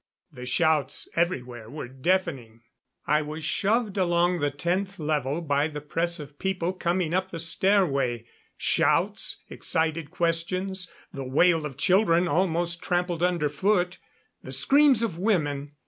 The shouts everywhere were deafening. I was shoved along the Tenth Level by the press of people coming up the stairway. Shouts, excited questions; the wail of children almost trampled under foot; the screams of women.